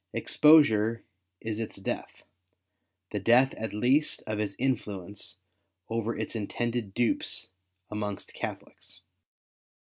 Exposure is its death — the death at least of its influence over its intended dupes amongst Catholics.